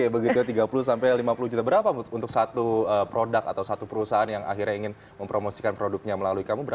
begitu tiga puluh sampai lima puluh juta berapa untuk satu produk atau satu perusahaan yang akhirnya ingin mempromosikan produknya melalui kamu berapa